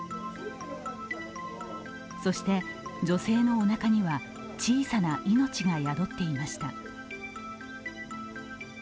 そして女性のおなかには小さな命が宿っていました。